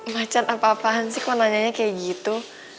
macan apa apaan sih kok nanyanya kayak gitu